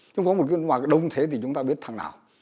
chúng ta có một đồng thế thì chúng ta biết thằng nào